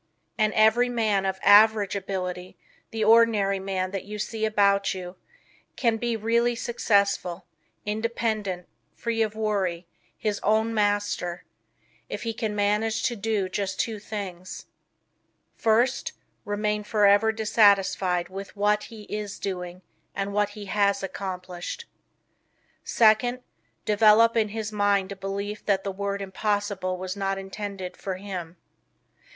And every man of AVERAGE ability, the ordinary man that you see about you, can be really successful, independent, free of worry, HIS OWN MASTER, if he can manage to do just two things. First, remain forever dissatisfied with what he IS doing and with what he HAS accomplished. Second, develop in his mind a belief that the word impossible was not intended or him.